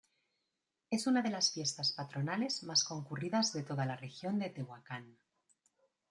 Es una de las fiestas patronales más concurridas de toda la región de Tehuacán.